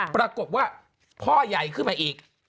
ปรากฏว่าพ่อใหญ่ขึ้นมาอีก